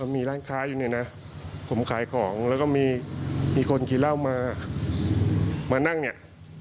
มีร้านค้าอยู่เนี่ยนะผมขายของแล้วก็มีคนกินเหล้ามามานั่งเนี่ย